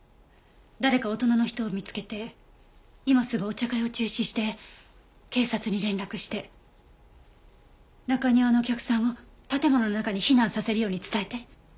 誰か大人の人を見つけて今すぐお茶会を中止して警察に連絡して中庭のお客さんを建物の中に避難させるように伝えて。